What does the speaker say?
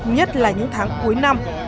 nhất là những tháng cuối năm